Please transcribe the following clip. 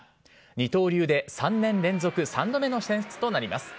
二刀流で３年連続３度目の選出となります。